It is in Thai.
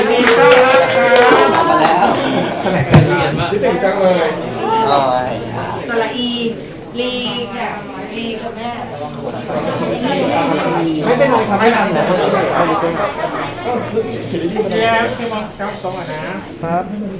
มากเลยไม่เป็นไม่เป็นตรงกันนะครับสำเร็จ